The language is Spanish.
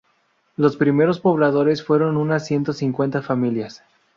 Los primeros pobladores fueron unas ciento cincuenta familias.